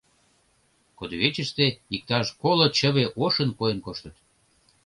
Кудвечыште иктаж коло чыве ошын койын коштыт.